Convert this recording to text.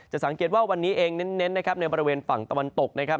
สังเกตว่าวันนี้เองเน้นนะครับในบริเวณฝั่งตะวันตกนะครับ